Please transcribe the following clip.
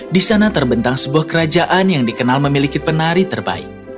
di sana terbentang sebuah kerajaan yang dikenal memiliki penari terbaik